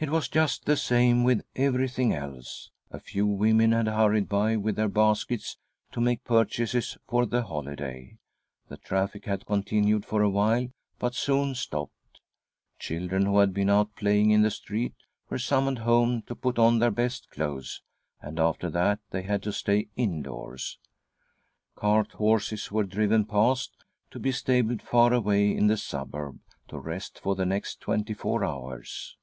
It was just the same with everything else. A few women had hurried by with their baskets to make purchases for the holiday. The traffic had con tinued for a while, but soon stopped. Children who had been out playing in the street were summoned home to put on their best clothes— and, after that, they had to stay indoors ! Cart horses were driven past, to be stabled far away in the suburb, to rest for the next twenty four hours.